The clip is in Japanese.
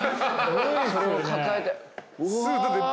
それを抱えてうわ。